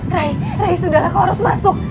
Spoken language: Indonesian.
rai rai sudah kau harus masuk